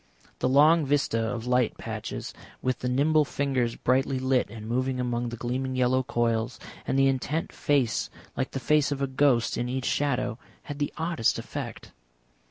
The long vista of light patches, with the nimble fingers brightly lit and moving among the gleaming yellow coils, and the intent face like the face of a ghost, in each shadow, had the oddest effect.